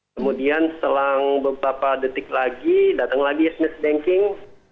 kemudian selang beberapa detik lagi datang lagi business banking